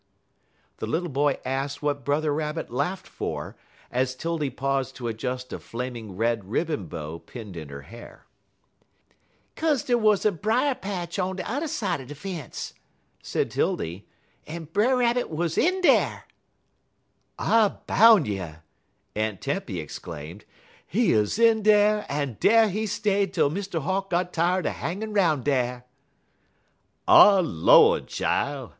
The little boy asked what Brother Rabbit laughed for, as 'Tildy paused to adjust a flaming red ribbon bow pinned in her hair. "'Kaze dey wuz a brier patch on t'er side de fence," said 'Tildy, "en Brer Rabbit wuz in dar." "I boun' you!" Aunt Tempy exclaimed. "He 'uz in dar, en dar he stayed tel Mr. Hawk got tired er hangin' 'roun' dar." "Ah, Lord, chile!"